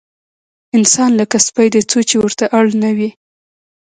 انسان لکه سپی دی، څو چې ورته اړ نه وي.